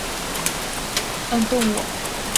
鸻刺缘吸虫为棘口科刺缘属的动物。